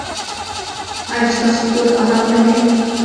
ایا ستاسو کور ارام نه دی؟